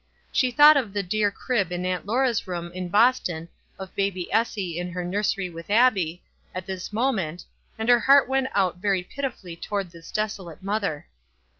Dell thought of the dear crib in Aunt Laura's room in Boston, of baby Essie in her nursery with Abbie, at this mo ment, and her heart went out very pitifully toward this desolate mother.